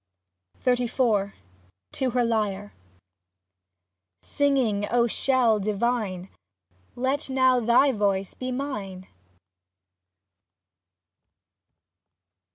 43 XXXIV TO HER LYRE Singing, O shell, divine ! Let now thy voice be mine.